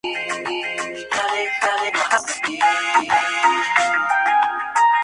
Pero por razones trágicas, ambos se separan y siguen caminos distintos.